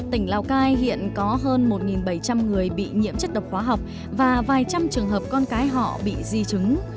tỉnh lào cai hiện có hơn một bảy trăm linh người bị nhiễm chất độc hóa học và vài trăm trường hợp con cái họ bị di chứng